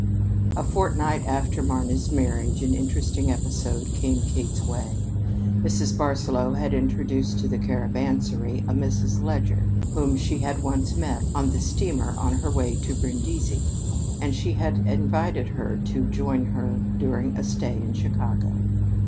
A fortnight after Mama's marriage, an interesting episode came Kate's way. Mrs. Barsaloux had introduced to the Caravansary a Mrs. Leger whom she had once met on the steamer on her way to Brindisi, and she had invited her to join her during a stay in Chicago.